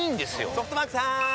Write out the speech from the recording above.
ソフトバンクさーん！